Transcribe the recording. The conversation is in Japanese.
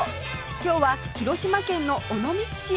今日は広島県の尾道市へ